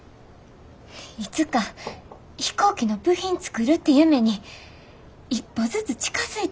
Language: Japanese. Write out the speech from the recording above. いつか飛行機の部品作るって夢に一歩ずつ近づいて。